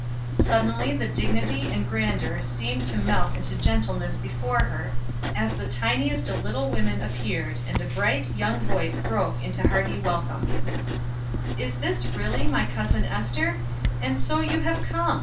Suddenly the dignity and grandeur seemed to melt into gentleness before her, as the tiniest of little women appeared and a bright, young voice broke into hearty welcome: "Is this really my cousin Ester? And so you have come!